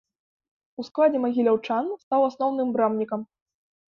У складзе магіляўчан стаў асноўным брамнікам.